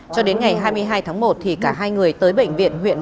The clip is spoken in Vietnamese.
cho đến ngày hai mươi hai tháng một cả hai người tới bệnh viện huyện vũ hán